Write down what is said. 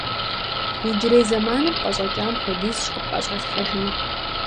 Иджырей зэманым пӀэщӀэкӀам хуэдизщ къыпӀэщӀалъхьэжынур.